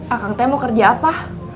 akang teh mau kerja apa